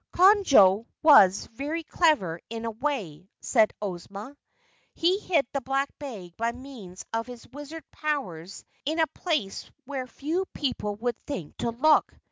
"Conjo was very clever in a way," said Ozma. "He hid the Black Bag by means of his wizard powers in a place where few people would think to look.